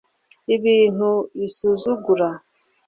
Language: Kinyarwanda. Ibintu bisuzugura